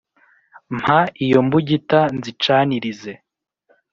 Mpa iyo mbugita nzicanirize